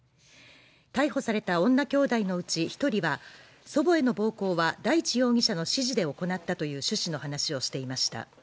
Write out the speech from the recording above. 逮捕された女きょうだいのうち１人は祖母への暴行は大地容疑者の指示で行ったという趣旨の話をしていました。